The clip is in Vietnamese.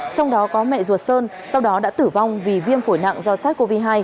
trong đó có mẹ ruột sơn sau đó đã tử vong vì viêm phổi nặng do sars cov hai